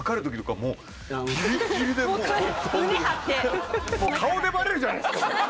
もう顔でばれるじゃないですか。